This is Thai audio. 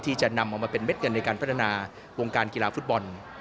ที่จะนำออกมาเป็นเม็ดเงินในการพัฒนาวงการกีฬาฟุตบอล